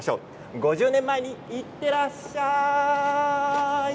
５０年前にいってらっしゃい。